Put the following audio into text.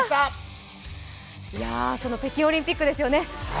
その北京オリンピックですよね。